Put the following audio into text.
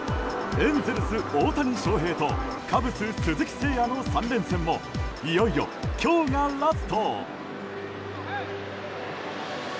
エンゼルス大谷翔平とカブス鈴木誠也の３連戦もいよいよ今日がラスト。